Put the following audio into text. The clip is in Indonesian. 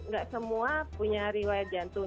gak semua punya riwayat jantung